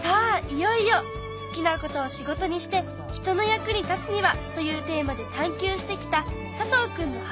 いよいよ「好きなことを仕事にして人の役に立つには？」というテーマで探究してきた佐藤くんの発表。